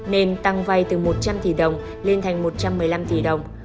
nên tăng vay từ một trăm linh tỷ đồng lên thành một trăm một mươi năm tỷ đồng